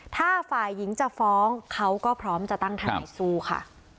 ถ้าฝ่ายหญิงจะฟ้องเขาก็พร้อมจะตั้งทนายสู้ค่ะ